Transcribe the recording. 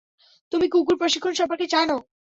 তুমি কুকুর প্রশিক্ষণ সম্পর্কে জানো?